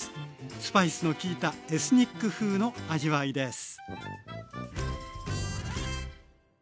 スパイスのきいたエスニック風の味わいです。